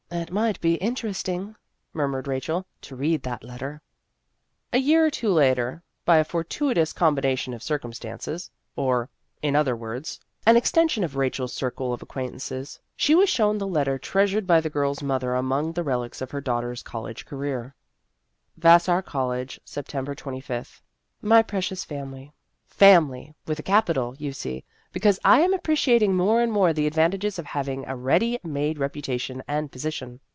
" It might be interesting," murmured Rachel, " to read that letter." A year or two later, by a " fortuitous combination of circumstances," or, in other words, an extension of Rachel's circle of acquaintances, she was shown the letter treasured by the girl's mother among the relics of her daughter's college career. A Superior Young Woman 195 " VASSAR COLLEGE, September 25th. " MY PRECIOUS FAMILY :" Family with a capital, you see, because I am appreciating more and more the advantages of having a ready made reputa tion and position.